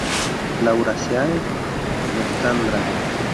Lauraceae: Nectandra.